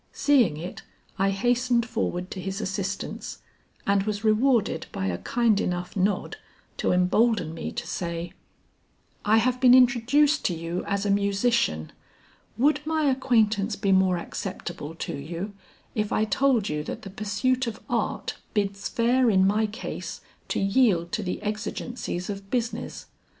Seeing it, I hastened forward to his assistance and was rewarded by a kind enough nod to embolden me to say, "I have been introduced to you as a musician; would my acquaintance be more acceptable to you if I told you that the pursuit of art bids fair in my case to yield to the exigencies of business?